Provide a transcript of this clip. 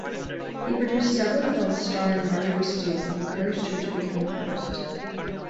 He produced several films starring Marjorie Steele and encouraged her to become an artist.